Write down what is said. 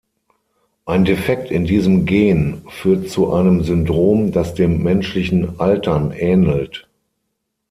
Ein Defekt in diesem Gen führt zu einem Syndrom, das dem menschlichen Altern ähnelt.